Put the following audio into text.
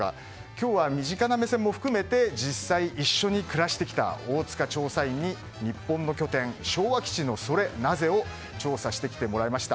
今日は身近な目線も含めて実際、一緒に暮らしてきた大塚調査員に日本の拠点昭和基地のソレなぜ？を調査してきてもらいました。